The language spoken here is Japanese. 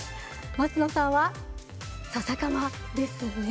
松野さんはささかまですね。